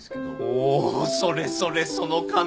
おおそれそれその感じ！